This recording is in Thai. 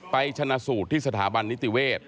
ชนะสูตรที่สถาบันนิติเวศ